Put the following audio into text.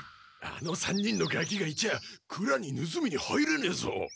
あの３人のガキがいちゃあくらにぬすみに入れねえぞ。